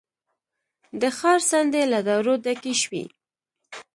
د ښار څنډې له دوړو ډکې شوې.